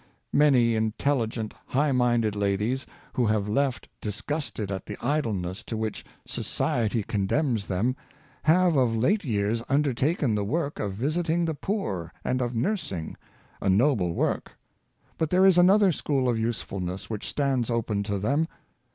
Many intelligent, high minded ladies, who have felt disgusted at the idleness to which " society'' condemns them, have of late years undertaken the work of visit ing the poor and of nursing — a noble work. But there is another school of usefulness which stands open to them.